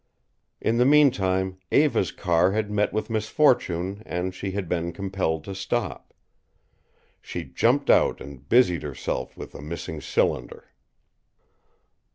In the mean time Eva's car had met with misfortune, and she had been compelled to stop. She jumped out and busied herself with a missing cylinder.